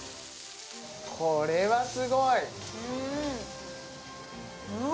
これはすごいうん！